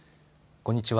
こんにちは。